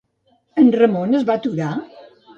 En Ramon es va aturar?